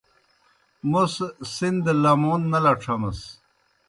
موْس سِن دہ لمون نہ لڇھمَس۔